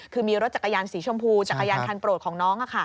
คือมีรถจักรยานสีชมพูจักรยานคันโปรดของน้อง